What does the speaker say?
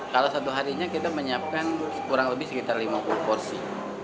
kalau satu harinya kita menyiapkan kurang lebih sekitar lima puluh porsi